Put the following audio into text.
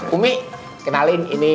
umi kenalin ini